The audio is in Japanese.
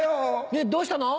えっどうしたの？